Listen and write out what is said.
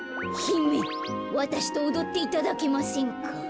ひめわたしとおどっていただけませんか？